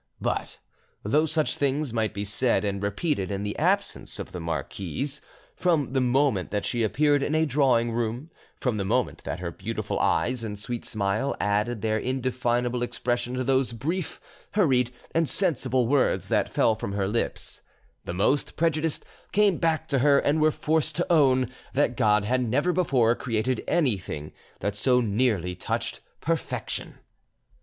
But though such things might be said and repeated in the absence of the marquise, from the moment that she appeared in a drawing room, from the moment that her beautiful eyes and sweet smile added their indefinable expression to those brief, hurried, and sensible words that fell from her lips, the most prejudiced came back to her and were forced to own that God had never before created anything that so nearly touched perfection.